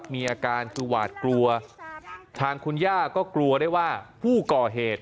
มีอาการคือหวาดกลัวทางคุณย่าก็กลัวได้ว่าผู้ก่อเหตุ